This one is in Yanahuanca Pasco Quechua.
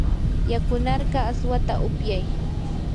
yakunarqaa aswata upyay.